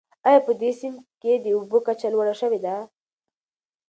آیا په دې سیند کې د اوبو کچه لوړه شوې ده؟